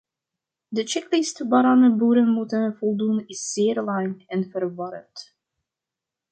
De checklist waaraan boeren moeten voldoen is zeer lang en verwarrend.